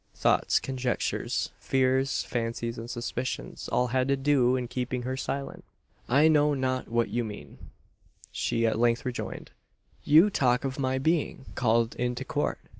Thoughts, conjectures, fears, fancies, and suspicions, all had to do in keeping her silent. "I know not what you mean," she at length rejoined. "You talk of my being called into court.